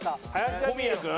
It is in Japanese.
小宮君？